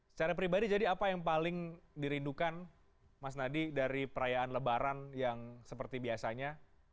secara pribadi jadi apa yang paling dirindukan mas nadi dari perayaan lebaran yang seperti biasanya